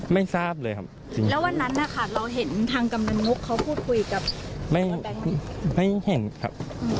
ไม่ยังงี้นะครับ